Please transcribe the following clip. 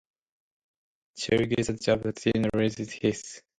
Shelley gets the job and Geena resents this.